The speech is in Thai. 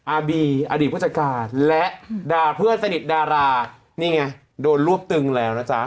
อาบีอดีตผู้จัดการและด่าเพื่อนสนิทดารานี่ไงโดนรวบตึงแล้วนะจ๊ะ